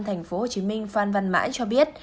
thành phố hồ chí minh phan văn mãi cho biết